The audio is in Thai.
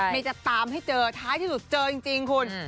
จะตามให้เจอท้ายที่สุดเจอจริงคุณ